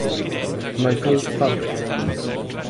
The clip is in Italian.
Michel Favre